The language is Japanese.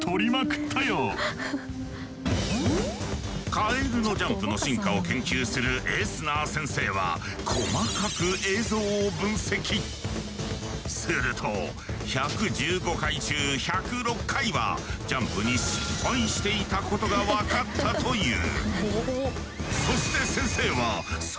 カエルのジャンプの進化を研究するエスナー先生はすると１１５回中１０６回はジャンプに失敗していたことが分かったという。